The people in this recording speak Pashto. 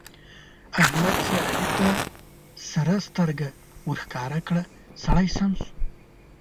احمد چې علي ته سره سترګه ورښکاره کړه؛ سړی سم شو.